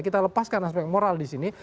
kita lepaskan aspek moral disini